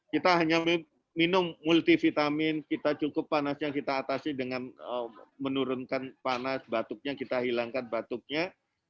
kita hanya minum multivitamin kita cukup panasnya kita atasi dengan menurunkan panas batuknya kita hilangkan batuknya